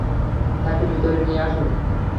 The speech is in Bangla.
তাকে ভিতরে নিয়ে আসুন।